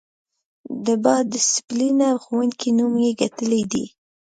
د با ډسیپلینه ښوونکی نوم یې ګټلی دی.